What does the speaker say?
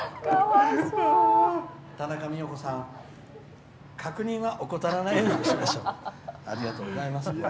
たなかみよこさん確認は怠らないようにしましょう。